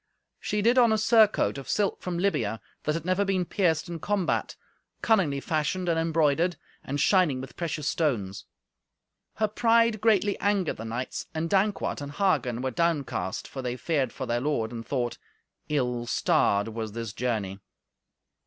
She did on a surcoat of silk from Libya, that had never been pierced in combat, cunningly fashioned and embroidered, and shining with precious stones. Her pride greatly angered the knights, and Dankwart and Hagen were downcast, for they feared for their lord, and thought, "Ill starred was this journey."